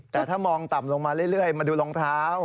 แต่ถ้ามองต่ำลงมาเรื่อยมาดูรองเท้า